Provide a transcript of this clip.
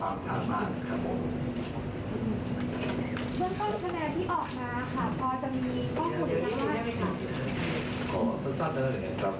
หลังจากนี้ไปเราจะดำเนินการต่อแล้วก็จะละลายงานในชั้น๓ต่อไป